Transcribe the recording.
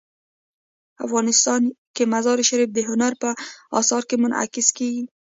افغانستان کې مزارشریف د هنر په اثار کې منعکس کېږي.